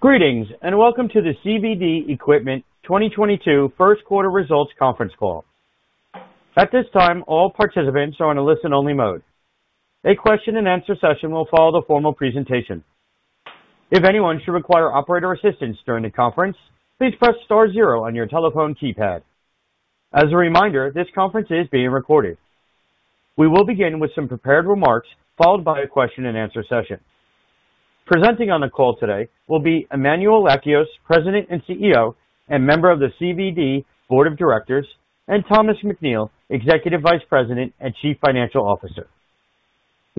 Greetings, welcome to the CVD Equipment 2022 first quarter results conference call. At this time, all participants are on a listen-only mode. A Q&A session will follow the formal presentation. If anyone should require operator assistance during the conference, please press star zero on your telephone keypad. As a reminder, this conference is being recorded. We will begin with some prepared remarks, followed by a Q&A session. Presenting on the call today will be Emmanuel Lakios, President and CEO, and member of the CVD board of directors, and Thomas McNeill, Executive Vice President and Chief Financial Officer.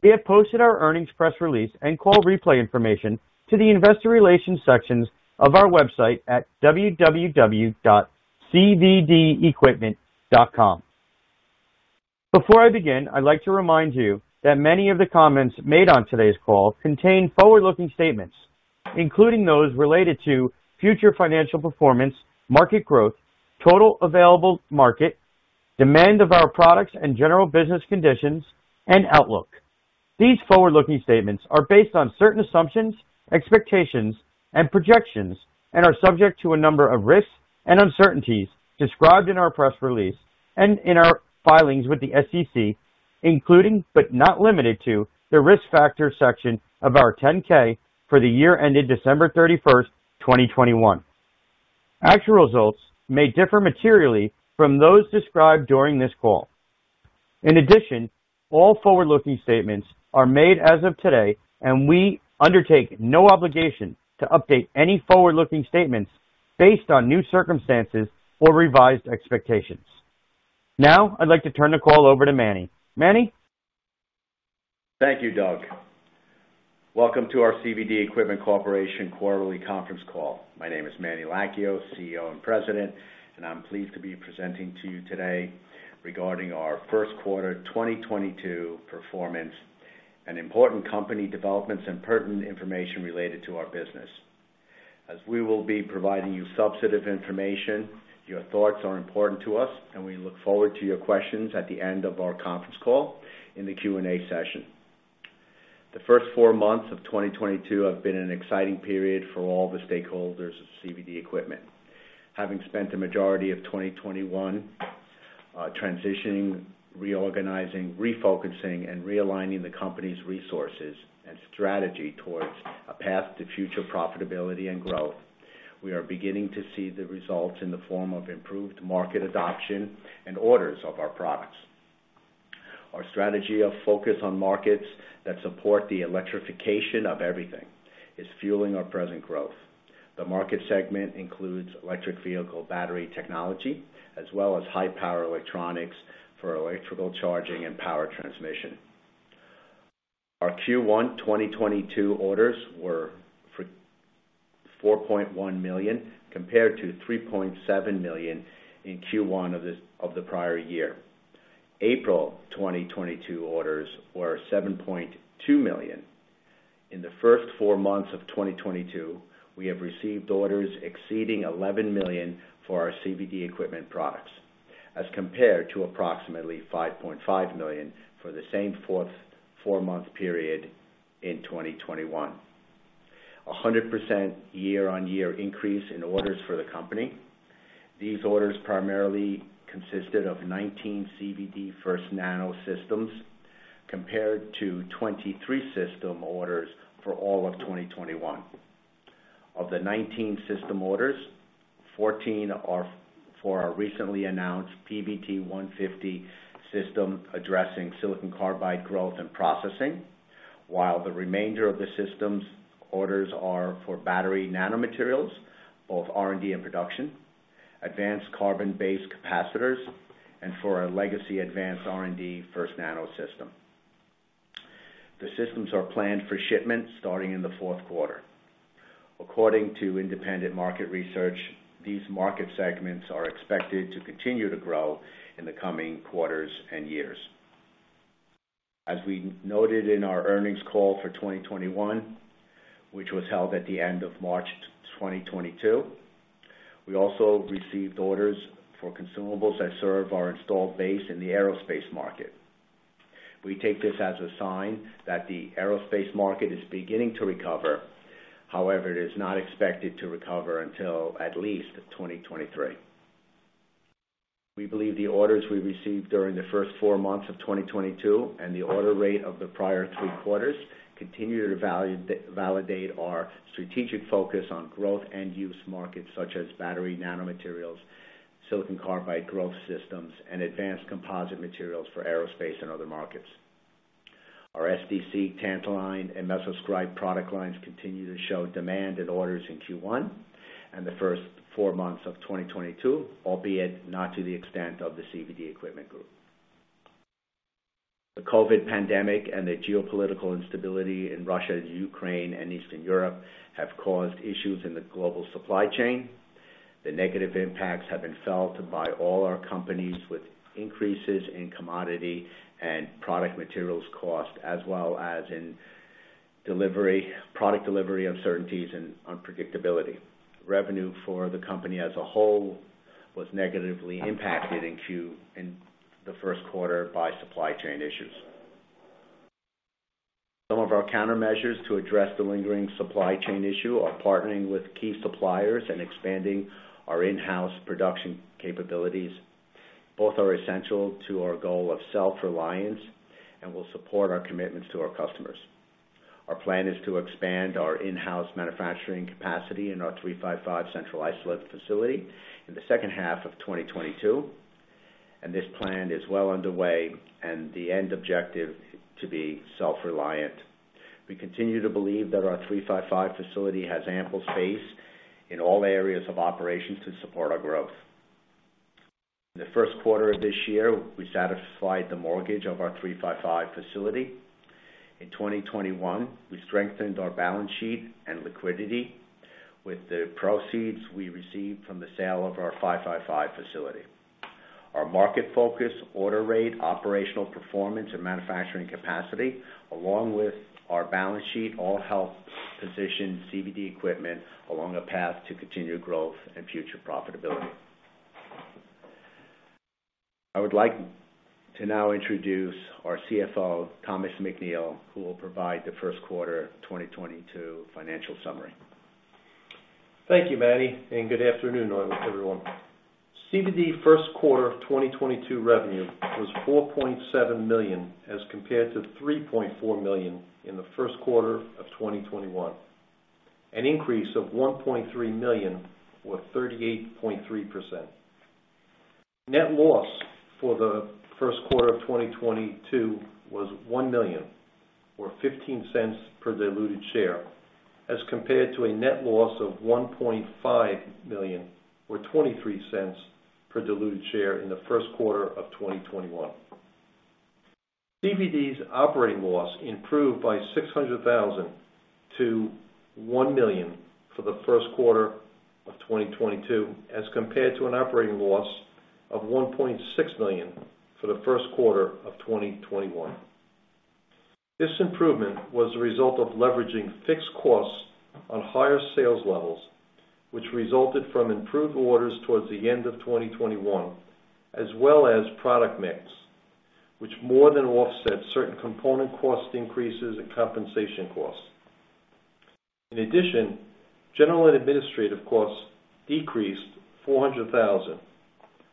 We have posted our earnings press release and call replay information to the investor relations sections of our website at www.cvdequipment.com. Before I begin, I'd like to remind you that many of the comments made on today's call contain forward-looking statements, including those related to future financial performance, market growth, total available market, demand of our products and general business conditions and outlook. These forward-looking statements are based on certain assumptions, expectations, and projections, and are subject to a number of risks and uncertainties described in our press release and in our filings with the SEC, including, but not limited to, the risk factors section of our Form 10-K for the year ended December 31st, 2021. Actual results may differ materially from those described during this call. In addition, all forward-looking statements are made as of today, and we undertake no obligation to update any forward-looking statements based on new circumstances or revised expectations. Now, I'd like to turn the call over to Manny. Manny? Thank you, Doug. Welcome to our CVD Equipment Corporation quarterly conference call. My name is Manny Lakios, CEO and President, and I'm pleased to be presenting to you today regarding our first quarter 2022 performance and important company developments and pertinent information related to our business. As we will be providing you substantive information, your thoughts are important to us, and we look forward to your questions at the end of our conference call in the Q&A session. The first four months of 2022 have been an exciting period for all the stakeholders of CVD Equipment. Having spent the majority of 2021 transitioning, reorganizing, refocusing, and realigning the company's resources and strategy towards a path to future profitability and growth, we are beginning to see the results in the form of improved market adoption and orders of our products. Our strategy of focus on markets that support the electrification of everything is fueling our present growth. The market segment includes electric vehicle battery technology, as well as high power electronics for electrical charging and power transmission. Our Q1 2022 orders were for $4.1 million, compared to $3.7 million in Q1 of the prior year. April 2022 orders were $7.2 million. In the first four months of 2022, we have received orders exceeding $11 million for our CVD equipment products, as compared to approximately $5.5 million for the same four-month period in 2021. 100% year-on-year increase in orders for the company. These orders primarily consisted of 19 CVD FirstNano systems, compared to 23 system orders for all of 2021. Of the 19 system orders, 14 are for our recently announced PVT-150 system addressing silicon carbide growth and processing, while the remainder of the systems orders are for battery nanomaterials, both R&D and production, advanced carbon-based capacitors, and for our legacy advanced R&D FirstNano system. The systems are planned for shipment starting in the fourth quarter. According to independent market research, these market segments are expected to continue to grow in the coming quarters and years. As we noted in our earnings call for 2021, which was held at the end of March 2022, we also received orders for consumables that serve our installed base in the aerospace market. We take this as a sign that the aerospace market is beginning to recover. However, it is not expected to recover until at least 2023. We believe the orders we received during the first four months of 2022 and the order rate of the prior three quarters continue to validate our strategic focus on growth end-use markets such as battery nanomaterials, silicon carbide growth systems, and advanced composite materials for aerospace and other markets. Our SDC, Tantaline, and MesoScribe product lines continue to show demand and orders in Q1 and the first four months of 2022, albeit not to the extent of the CVD Equipment group. The COVID pandemic and the geopolitical instability in Russia and Ukraine and Eastern Europe have caused issues in the global supply chain. The negative impacts have been felt by all our companies with increases in commodity and product materials cost, as well as in product delivery uncertainties and unpredictability. Revenue for the company as a whole was negatively impacted in the first quarter by supply chain issues. Some of our countermeasures to address the lingering supply chain issue are partnering with key suppliers and expanding our in-house production capabilities. Both are essential to our goal of self-reliance and will support our commitments to our customers. Our plan is to expand our in-house manufacturing capacity in our 355 Central Islip facility in the second half of 2022, and this plan is well underway and the end objective to be self-reliant. We continue to believe that our 355 facility has ample space in all areas of operations to support our growth. In the first quarter of this year, we satisfied the mortgage of our 355 facility. In 2021, we strengthened our balance sheet and liquidity with the proceeds we received from the sale of our 555 facility. Our market focus, order rate, operational performance, and manufacturing capacity, along with our balance sheet, all help position CVD Equipment along a path to continued growth and future profitability. I would like to now introduce our CFO, Thomas McNeill, who will provide the first quarter of 2022 financial summary. Thank you, Manny, and good afternoon, everyone. CVD first quarter of 2022 revenue was $4.7 million, as compared to $3.4 million in the first quarter of 2021, an increase of $1.3 million or 38.3%. Net loss for the first quarter of 2022 was $1 million or $0.15 per diluted share, as compared to a net loss of $1.5 million or $0.23 per diluted share in the first quarter of 2021. CVD's operating loss improved by $600,000 to $1 million for the first quarter of 2022, as compared to an operating loss of $1.6 million for the first quarter of 2021. This improvement was a result of leveraging fixed costs on higher sales levels, which resulted from improved orders towards the end of 2021, as well as product mix, which more than offset certain component cost increases and compensation costs. In addition, general and administrative costs decreased $400,000,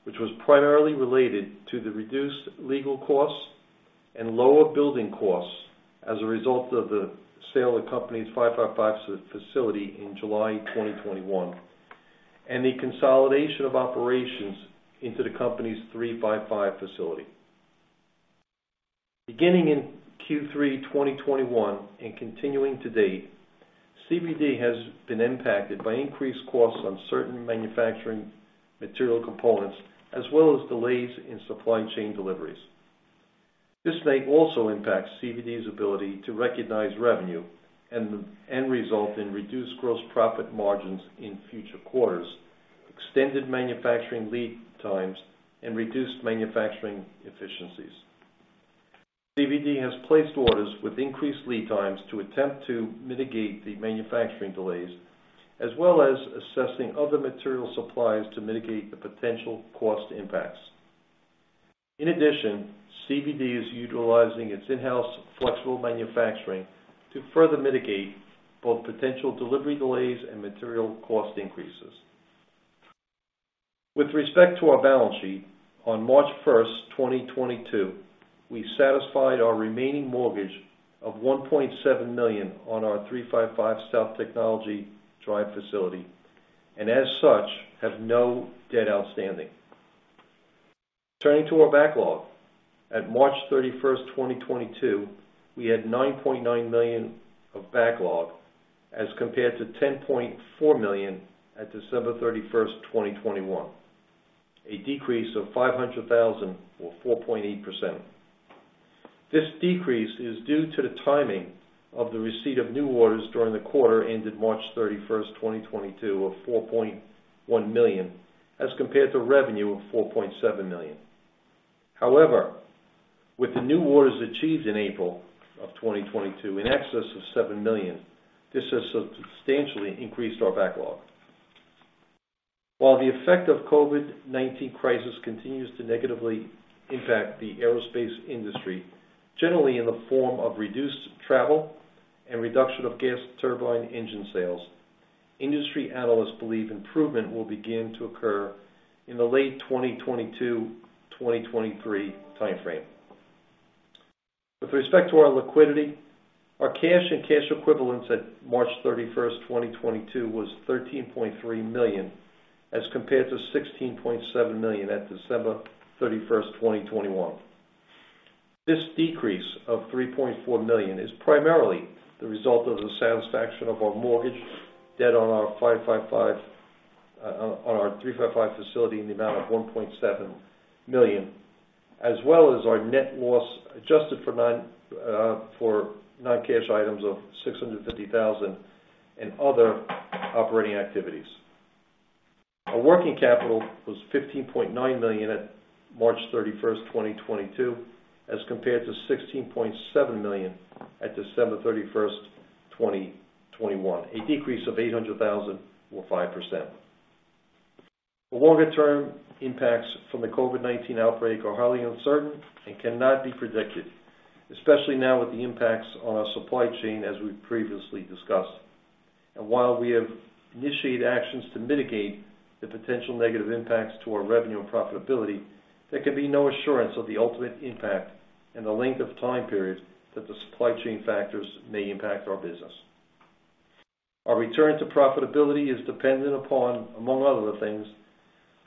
which was primarily related to the reduced legal costs and lower building costs as a result of the sale of company's 555 facility in July 2021, and the consolidation of operations into the company's 355 facility. Beginning in Q3 2021 and continuing to date, CVD has been impacted by increased costs on certain manufacturing material components, as well as delays in supply chain deliveries. This may also impact CVD's ability to recognize revenue and result in reduced gross profit margins in future quarters, extended manufacturing lead times, and reduced manufacturing efficiencies. CVD has placed orders with increased lead times to attempt to mitigate the manufacturing delays, as well as assessing other material suppliers to mitigate the potential cost impacts. In addition, CVD is utilizing its in-house flexible manufacturing to further mitigate both potential delivery delays and material cost increases. With respect to our balance sheet, on March 1st, 2022, we satisfied our remaining mortgage of $1.7 million on our 355 South Technology Drive facility, and as such, have no debt outstanding. Turning to our backlog. At March 31st, 2022, we had $9.9 million of backlog as compared to $10.4 million at December 31st, 2021, a decrease of $500,000 or 4.8%. This decrease is due to the timing of the receipt of new orders during the quarter ended March 31st, 2022 of $4.1 million as compared to revenue of $4.7 million. However, with the new orders achieved in April of 2022 in excess of $7 million, this has substantially increased our backlog. While the effect of COVID-19 crisis continues to negatively impact the aerospace industry, generally in the form of reduced travel and reduction of gas turbine engine sales, industry analysts believe improvement will begin to occur in the late 2022, 2023 time frame. With respect to our liquidity, our cash and cash equivalents at March 31st, 2022 was $13.3 million as compared to $16.7 million at December 31st, 2021. This decrease of $3.4 million is primarily the result of the satisfaction of our mortgage debt on our 355 facility in the amount of $1.7 million, as well as our net loss adjusted for non-cash items of $650,000 in other operating activities. Our working capital was $15.9 million at March 31st, 2022, as compared to $16.7 million at December 31st, 2021, a decrease of $800,000 or 5%. The longer term impacts from the COVID-19 outbreak are highly uncertain and cannot be predicted, especially now with the impacts on our supply chain, as we've previously discussed. While we have initiated actions to mitigate the potential negative impacts to our revenue and profitability, there can be no assurance of the ultimate impact and the length of time period that the supply chain factors may impact our business. Our return to profitability is dependent upon, among other things,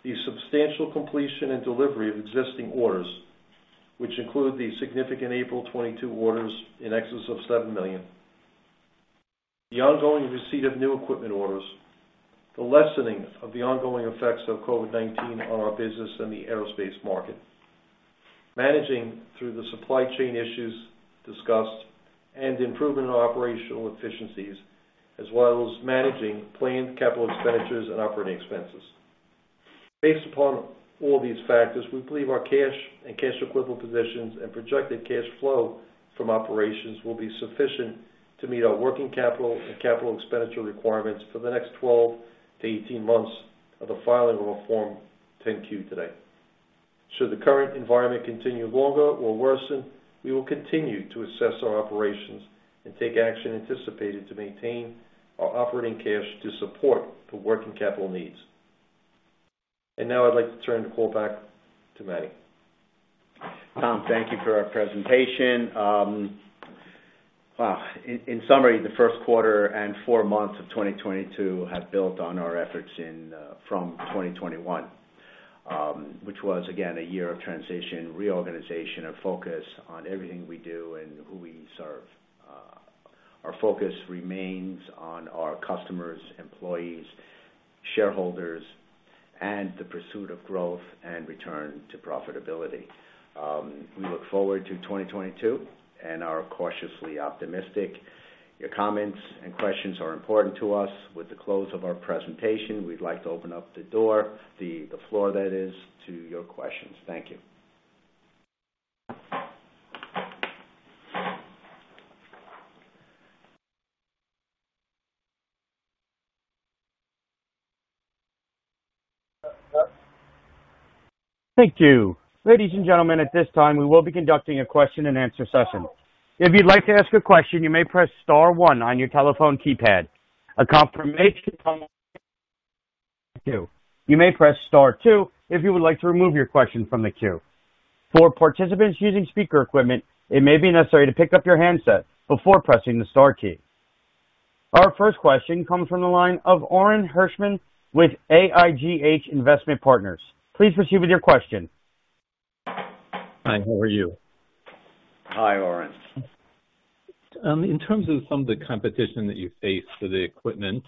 the substantial completion and delivery of existing orders, which include the significant April 2022 orders in excess of $7 million. The ongoing receipt of new equipment orders, the lessening of the ongoing effects of COVID-19 on our business and the aerospace market, managing through the supply chain issues discussed and improving our operational efficiencies, as well as managing planned capital expenditures and operating expenses. Based upon all these factors, we believe our cash and cash equivalent positions and projected cash flow from operations will be sufficient to meet our working capital and capital expenditure requirements for the next 12 months-18 months of the filing of our Form 10-Q today. Should the current environment continue longer or worsen, we will continue to assess our operations and take action anticipated to maintain our operating cash to support the working capital needs. Now I'd like to turn the call back to Manny. Tom, thank you for our presentation. In summary, the first quarter and fpur months of 2022 have built on our efforts from 2021, which was, again, a year of transition, reorganization, and focus on everything we do and who we serve. Our focus remains on our customers, employees, shareholders, and the pursuit of growth and return to profitability. We look forward to 2022 and are cautiously optimistic. Your comments and questions are important to us. With the close of our presentation, we'd like to open up the floor, that is, to your questions. Thank you. Thank you. Ladies and gentlemen, at this time we will be conducting a Q&A session. If you'd like to ask a question, you may press star one on your telephone keypad. A confirmation. You may press star two if you would like to remove your question from the queue. For participants using speaker equipment, it may be necessary to pick up your handset before pressing the star key. Our first question comes from the line of Orin Hirschman with AIGH Investment Partners. Please proceed with your question. Hi, how are you? Hi, Orin. In terms of some of the competition that you face for the equipment,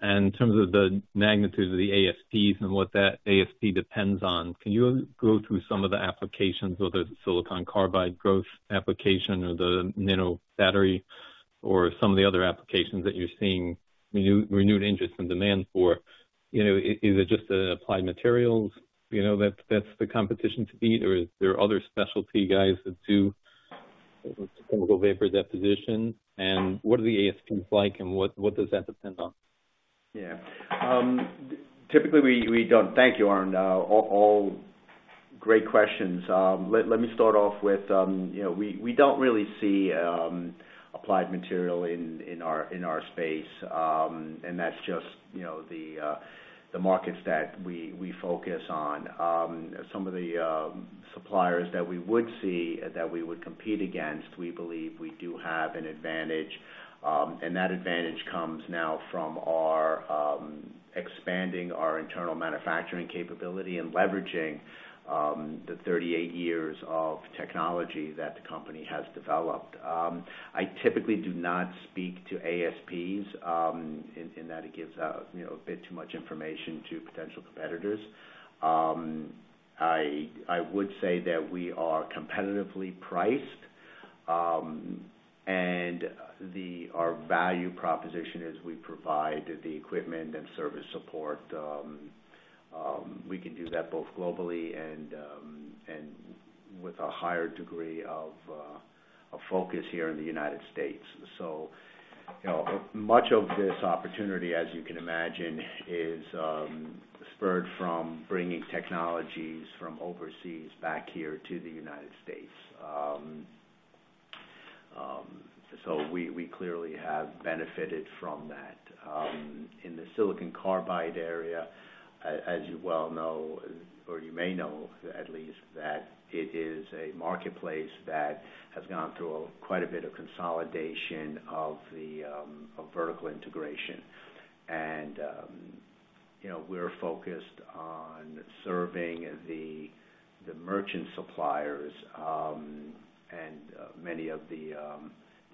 and in terms of the magnitude of the ASPs and what that ASP depends on, can you go through some of the applications, whether it's silicon carbide growth application or the nano battery or some of the other applications that you're seeing renewed interest and demand for? You know, is it just Applied Materials, you know, that's the competition to beat, or is there other specialty guys that do chemical vapor deposition? And what are the ASPs like and what does that depend on? Yeah. Typically we don't. Thank you, Orin. All great questions. Let me start off with, you know, we don't really see Applied Materials in our space, and that's just, you know, the markets that we focus on. Some of the suppliers that we would see, that we would compete against, we believe we do have an advantage, and that advantage comes now from our expanding our internal manufacturing capability and leveraging the 38 years of technology that the company has developed. I typically do not speak to ASPs, in that it gives out, you know, a bit too much information to potential competitors. I would say that we are competitively priced, and our value proposition is we provide the equipment and service support. We can do that both globally and with a higher degree of focus here in the United States. You know, much of this opportunity, as you can imagine, is spurred from bringing technologies from overseas back here to the United States. We clearly have benefited from that. In the silicon carbide area, as you well know, or you may know at least, that it is a marketplace that has gone through quite a bit of consolidation of vertical integration. You know, we're focused on serving the merchant suppliers, and many of the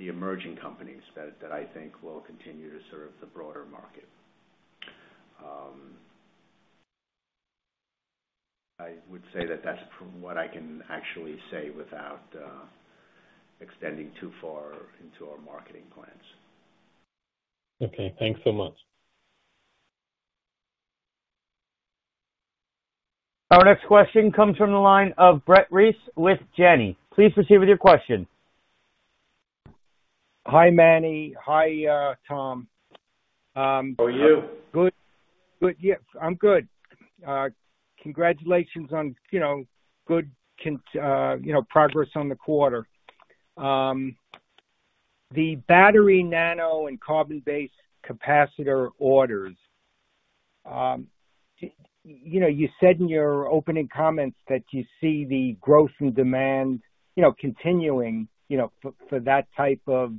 emerging companies that I think will continue to serve the broader market. I would say that's what I can actually say without extending too far into our marketing plans. Okay. Thanks so much. Our next question comes from the line of Brett Reiss with Janney. Please proceed with your question. Hi, Manny. Hi, Tom. How are you? Good. Yeah, I'm good. Congratulations on, you know, good progress on the quarter. The battery nano and carbon-based capacitor orders. You know, you said in your opening comments that you see the growth and demand, you know, continuing, you know, for that type of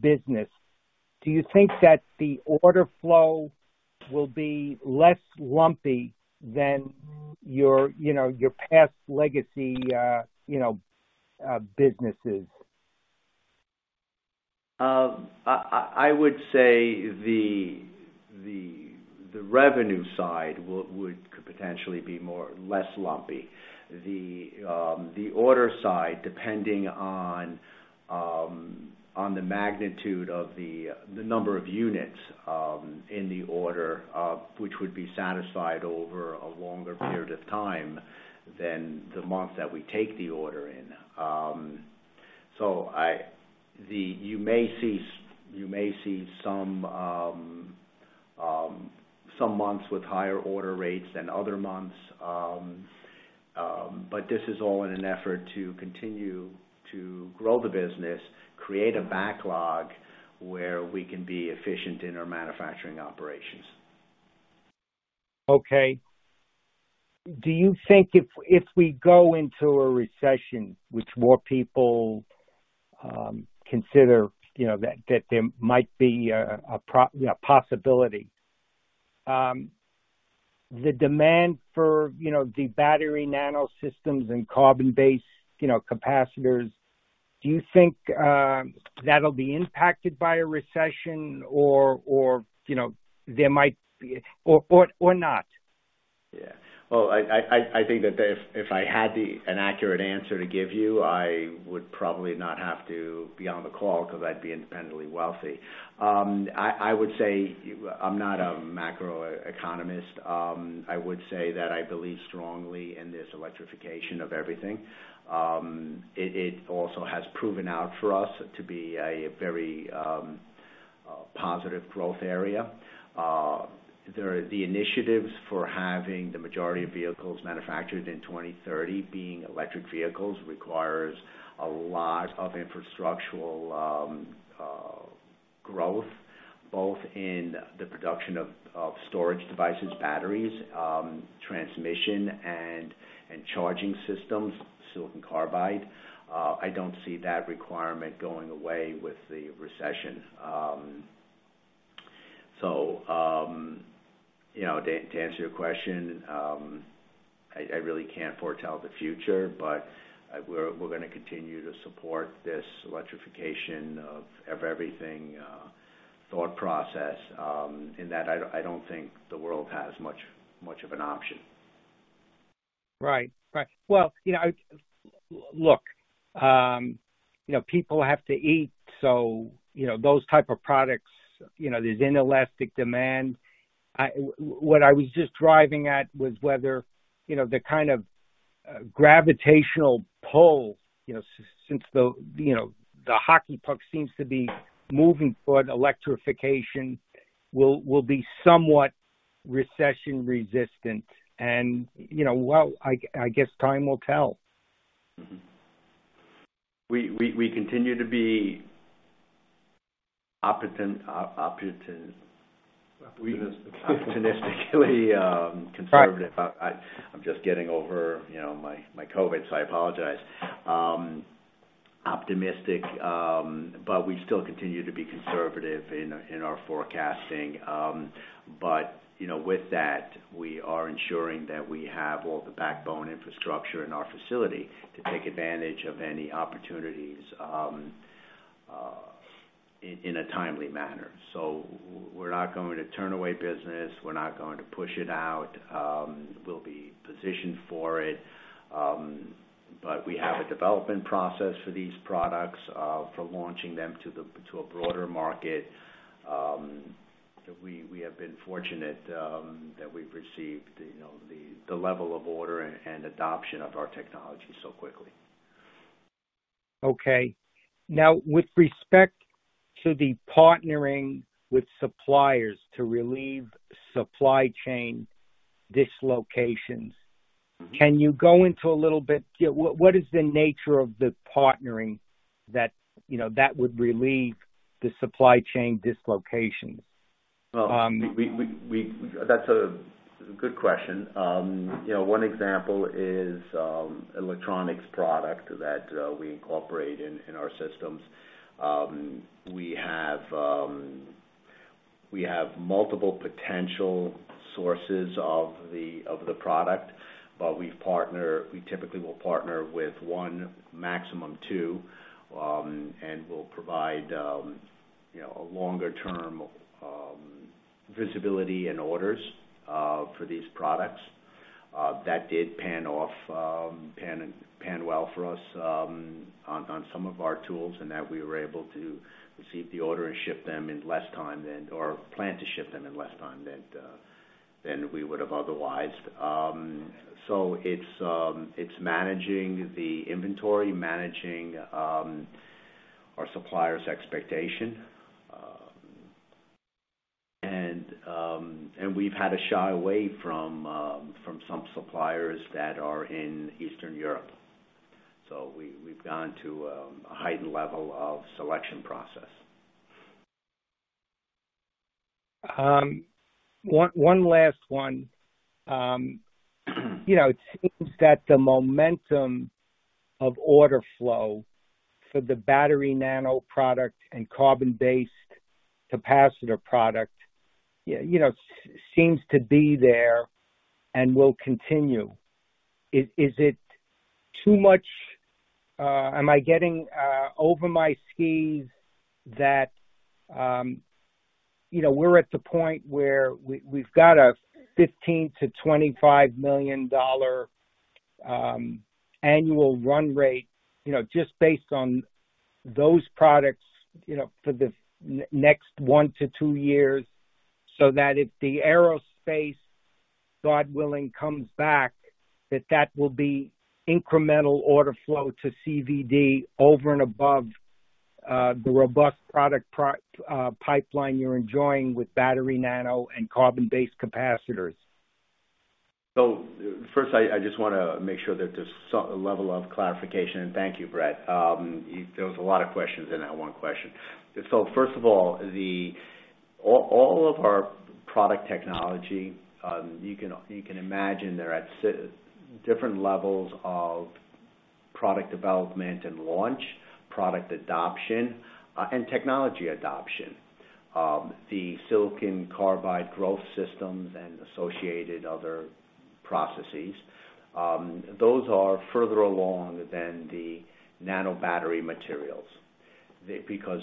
business. Do you think that the order flow will be less lumpy than your, you know, your past legacy, you know, businesses? I would say the revenue side would potentially be less lumpy. The order side, depending on the magnitude of the number of units in the order, which would be satisfied over a longer period of time than the month that we take the order in. You may see some months with higher order rates than other months. This is all in an effort to continue to grow the business, create a backlog where we can be efficient in our manufacturing operations. Okay. Do you think if we go into a recession, which more people consider, you know, that there might be a possibility the demand for, you know, the battery nanosystems and carbon-based, you know, capacitors, do you think that'll be impacted by a recession or not? Yeah. Well, I think that if I had an accurate answer to give you, I would probably not have to be on the call because I'd be independently wealthy. I would say I'm not a macro economist. I would say that I believe strongly in this electrification of everything. It also has proven out for us to be a very positive growth area. There are the initiatives for having the majority of vehicles manufactured in 2030 being electric vehicles requires a lot of infrastructural growth, both in the production of storage devices, batteries, transmission and charging systems, silicon carbide. I don't see that requirement going away with the recession. You know, to answer your question, I really can't foretell the future, but we're gonna continue to support this electrification of everything thought process, in that I don't think the world has much of an option. Right. Well, you know, look, you know, people have to eat, so, you know, those type of products, you know, there's inelastic demand. What I was just driving at was whether, you know, the kind of gravitational pull, you know, since the, you know, the hockey puck seems to be moving toward electrification will be somewhat recession resistant. You know, well, I guess time will tell. We continue to be opportunistic. Opportunistic. Opportunistically, conservative. Right. I'm just getting over, you know, my COVID, so I apologize. Optimistic, but we still continue to be conservative in our forecasting. You know, with that, we are ensuring that we have all the backbone infrastructure in our facility to take advantage of any opportunities in a timely manner. We're not going to turn away business. We're not going to push it out. We'll be positioned for it. We have a development process for these products for launching them to a broader market. We have been fortunate that we've received, you know, the level of order and adoption of our technology so quickly. Okay. Now, with respect to the partnering with suppliers to relieve supply chain dislocations. Mm-hmm. Can you go into a little bit, you know, what is the nature of the partnering that, you know, that would relieve the supply chain dislocations? Well, that's a good question. You know, one example is electronics product that we incorporate in our systems. We have multiple potential sources of the product. We typically will partner with one, maximum two, and we'll provide you know, a longer term visibility and orders for these products. That did pay off well for us on some of our tools, and that we were able to receive the order and ship them in less time than we would have otherwise. It's managing the inventory, managing our suppliers' expectation. We've had to shy away from some suppliers that are in Eastern Europe. We've gone to a heightened level of selection process. One last one. You know, it seems that the momentum of order flow for the battery anode product and carbon-based capacitor product, you know, seems to be there and will continue. Is it too much? Am I getting over my skis that, you know, we're at the point where we've got a $15 million-$25 million annual run rate, you know, just based on those products, you know, for the next one to two years, so that if the aerospace, God willing, comes back, that will be incremental order flow to CVD over and above the robust product pipeline you're enjoying with battery anode and carbon-based capacitors. I just wanna make sure that there's a level of clarification. Thank you, Brett. There was a lot of questions in that one question. First of all of our product technology, you can imagine they're at different levels of product development and launch, product adoption, and technology adoption. The silicon carbide growth systems and associated other processes, those are further along than the nano battery materials. Because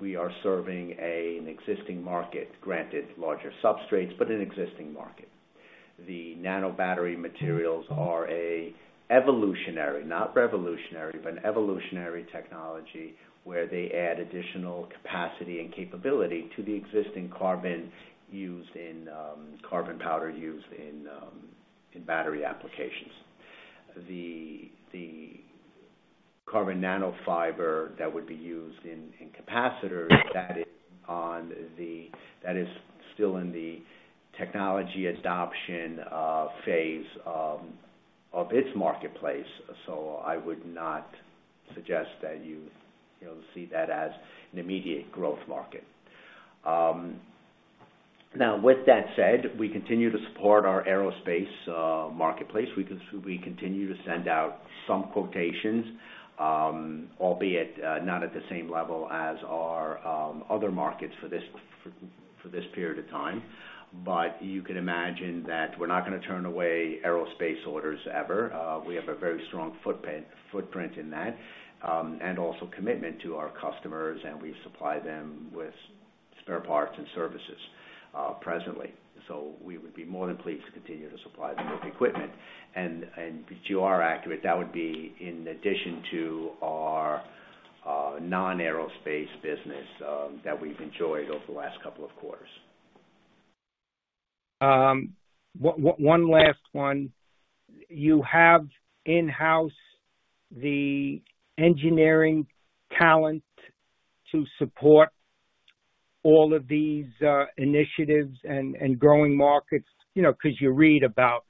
we are serving an existing market, granted larger substrates, but an existing market. The nano battery materials are an evolutionary, not revolutionary, but an evolutionary technology, where they add additional capacity and capability to the existing carbon used in carbon powder used in battery applications. The carbon nanofiber that would be used in capacitors, that is still in the technology adoption phase of its marketplace. I would not suggest that you know, see that as an immediate growth market. Now with that said, we continue to support our aerospace marketplace. We continue to send out some quotations, albeit not at the same level as our other markets for this period of time. You can imagine that we're not gonna turn away aerospace orders ever. We have a very strong footprint in that and also commitment to our customers, and we supply them with spare parts and services presently. We would be more than pleased to continue to supply them with equipment. You are accurate, that would be in addition to our non-aerospace business that we've enjoyed over the last couple of quarters. One last one. You have in-house the engineering talent to support all of these initiatives and growing markets, you know, 'cause you read about,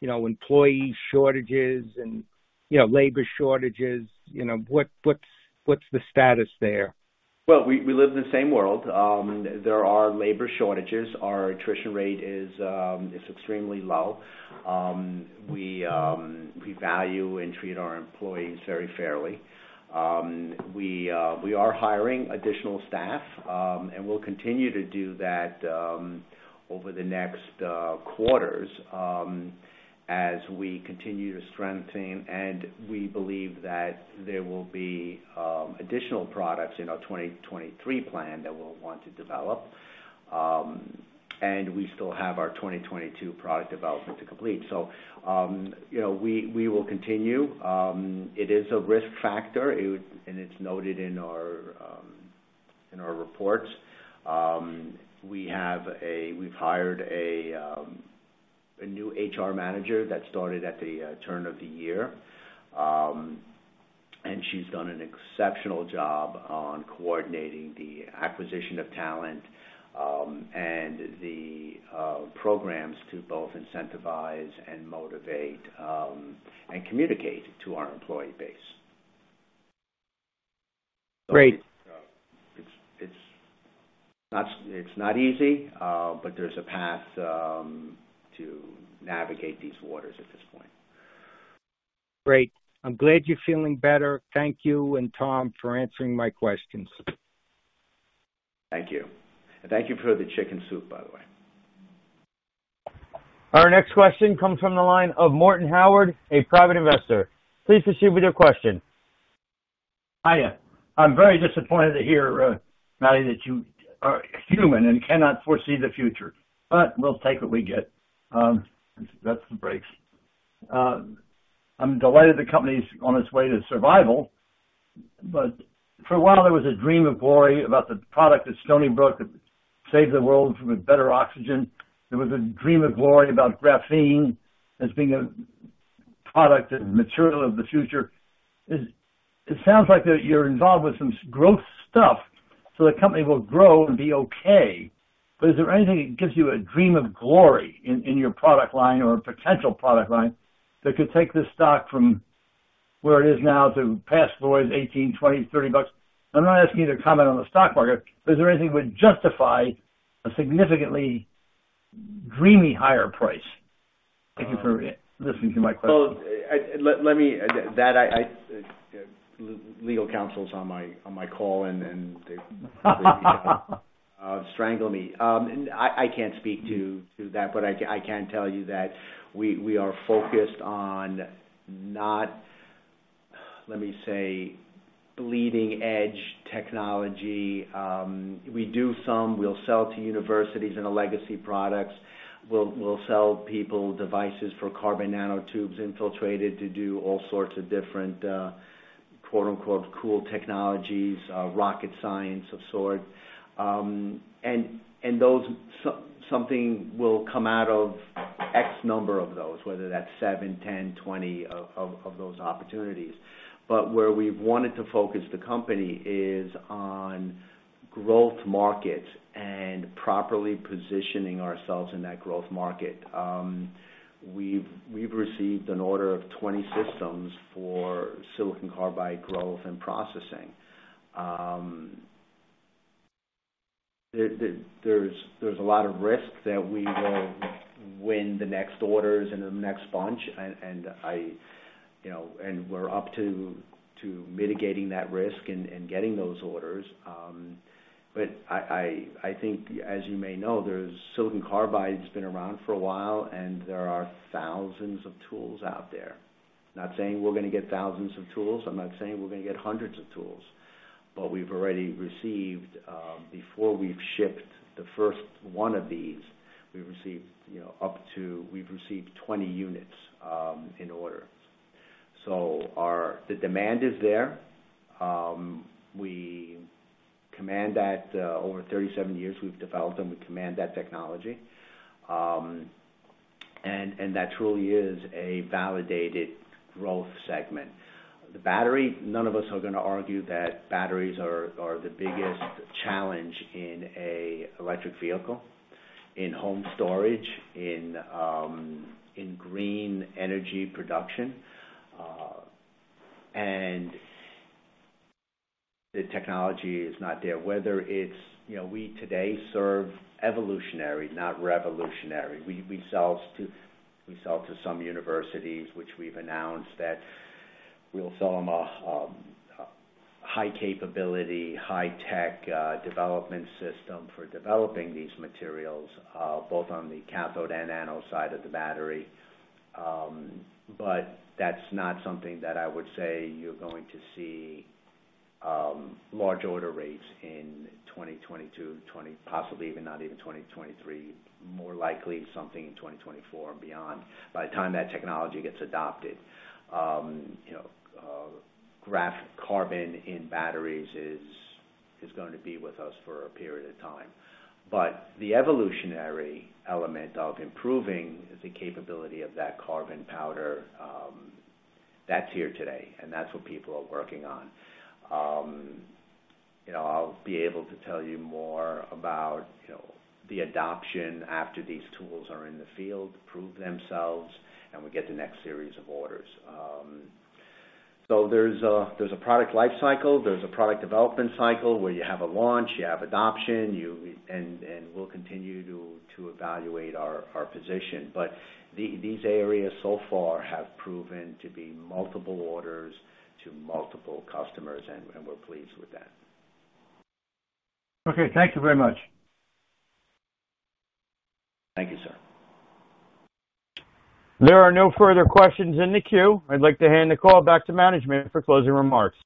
you know, employee shortages and, you know, labor shortages, you know. What's the status there? Well, we live in the same world. There are labor shortages. Our attrition rate is extremely low. We value and treat our employees very fairly. We are hiring additional staff, and we'll continue to do that over the next quarters as we continue to strengthen. We believe that there will be additional products in our 2023 plan that we'll want to develop. We still have our 2022 product development to complete. You know, we will continue. It is a risk factor, and it's noted in our reports. We've hired a new HR manager that started at the turn of the year. She's done an exceptional job on coordinating the acquisition of talent, and the programs to both incentivize and motivate, and communicate to our employee base. Great. It's not easy, but there's a path to navigate these waters at this point. Great. I'm glad you're feeling better. Thank you and Tom for answering my questions. Thank you. Thank you for the chicken soup, by the way. Our next question comes from the line of Morton Howard, a private investor. Please proceed with your question. Hiya. I'm very disappointed to hear, Manny, that you are human and cannot foresee the future, but we'll take what we get. That's the breaks. I'm delighted the company's on its way to survival. For a while, there was a dream of glory about the product that Stony Brook could save the world with better oxygen. There was a dream of glory about graphene as being a product and material of the future. It sounds like that you're involved with some growth stuff so the company will grow and be okay. Is there anything that gives you a dream of glory in your product line or potential product line that could take this stock from where it is now to past glory, $18, $20, $30? I'm not asking you to comment on the stock market, but is there anything that would justify a significantly dreamy higher price? Thank you for listening to my question. Well, let me. Legal counsel's on my call, and they strangle me. I can't speak to that, but I can tell you that we are focused on not, let me say, bleeding edge technology. We do some. We'll sell to universities in the legacy products. We'll sell people devices for carbon nanotubes infiltrated to do all sorts of different, quote-unquote, cool technologies, rocket science of sort. Those something will come out of X number of those, whether that's seven, 10, 20 of those opportunities. Where we've wanted to focus the company is on growth markets and properly positioning ourselves in that growth market. We've received an order of 20 systems for silicon carbide growth and processing. There's a lot of risk that we will win the next orders and the next bunch. I, you know, we're up to mitigating that risk and getting those orders. I think as you may know, silicon carbide has been around for a while, and there are thousands of tools out there. Not saying we're gonna get thousands of tools. I'm not saying we're gonna get hundreds of tools. We've already received, before we've shipped the first one of these, up to 20 units in order. The demand is there. We command that over 37 years we've developed, and we command that technology. That truly is a validated growth segment. The battery, none of us are gonna argue that batteries are the biggest challenge in an electric vehicle, in home storage, in green energy production, and the technology is not there. Whether it's, you know, we today serve evolutionary, not revolutionary. We sell to some universities which we've announced that we'll sell them a high capability, high tech development system for developing these materials, both on the cathode and anode side of the battery. That's not something that I would say you're going to see large order rates in 2022, possibly even not even 2023, more likely something in 2024 and beyond. By the time that technology gets adopted, you know, graphene in batteries is going to be with us for a period of time. The evolutionary element of improving the capability of that carbon powder, that's here today, and that's what people are working on. You know, I'll be able to tell you more about, you know, the adoption after these tools are in the field, prove themselves, and we get the next series of orders. There's a product life cycle. There's a product development cycle, where you have a launch, you have adoption. We'll continue to evaluate our position. These areas so far have proven to be multiple orders to multiple customers, and we're pleased with that. Okay. Thank you very much. Thank you, sir. There are no further questions in the queue. I'd like to hand the call back to management for closing remarks.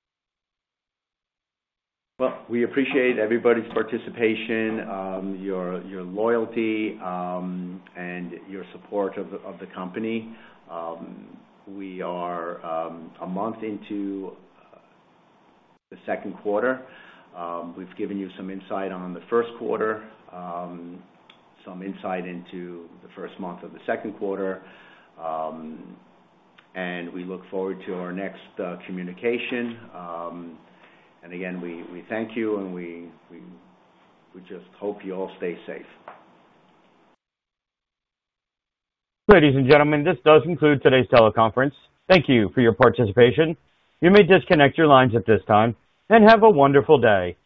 Well, we appreciate everybody's participation, your loyalty, and your support of the company. We are a month into the second quarter. We've given you some insight on the first quarter, some insight into the first month of the second quarter. We look forward to our next communication. Again, we just hope you all stay safe. Ladies and gentlemen, this does conclude today's teleconference. Thank you for your participation. You may disconnect your lines at this time, and have a wonderful day.